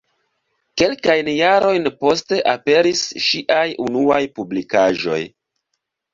Kelkajn jarojn poste aperis ŝiaj unuaj publikigaĵoj.